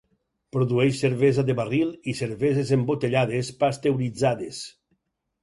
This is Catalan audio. Produeix cervesa de barril i cerveses embotellades pasteuritzades.